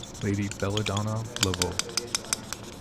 Lady Belladonna Laveau.